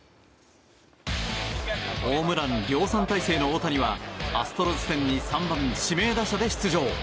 ホームラン量産態勢の大谷はアストロズ戦に３番指名打者で出場。